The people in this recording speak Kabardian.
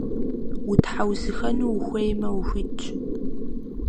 Утхьэусыхэну ухуеймэ, ухуитщ.